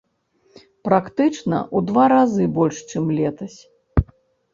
Практычна ў два разы больш, чым летась.